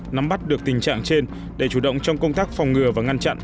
nắm bắt được tình trạng trên để chủ động trong công tác phòng ngừa và ngăn chặn